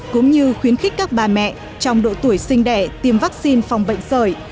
cũng như khuyến khích các bà mẹ trong độ tuổi sinh đẻ tiêm vaccine phòng bệnh sởi